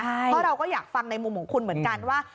เพราะเราก็อยากฟังในมุมของคุณเหมือนกันว่า